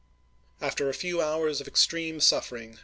After a few hours of extreme suffering.